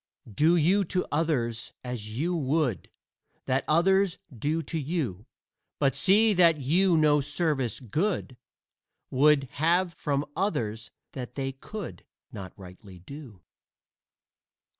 Do you to others as you would That others do to you; But see that you no service good Would have from others that they could Not rightly do.